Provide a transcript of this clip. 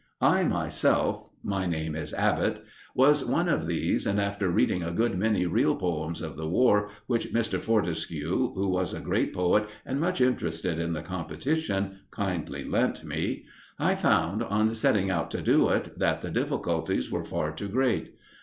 I myself my name is Abbott was one of these, and after reading a good many real poems of the War, which Mr. Fortescue, who was a great poet and much interested in the competition, kindly lent me, I found, on setting out to do it, that the difficulties were far too great.